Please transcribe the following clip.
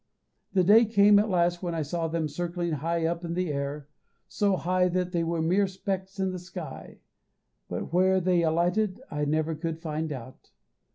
The day came at last when I saw them circling high up in the air, so high that they were mere specks in the sky, but where they alighted I never could find out.